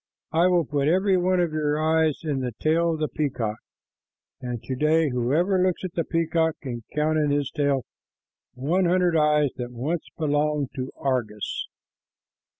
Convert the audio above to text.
I will put every one of your eyes in the tail of the peacock." And to day, whoever looks at the peacock can count in his tail the hundred eyes that once belonged to Argus.